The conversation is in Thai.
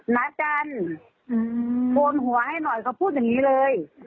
นัดกันโกนหัวให้หน่อยเขาพูดอย่างนี้เลย